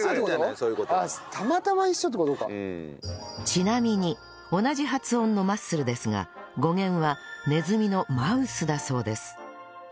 ちなみに同じ発音の「マッスル」ですが語源はネズミの「マウス」だそうです